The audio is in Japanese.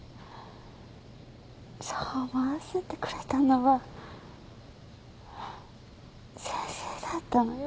そう思わせてくれたのは先生だったのよ。